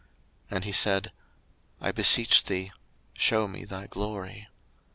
02:033:018 And he said, I beseech thee, shew me thy glory.